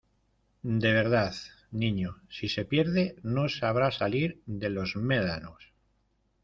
de verdad, niño , si se pierde no sabrá salir de los médanos...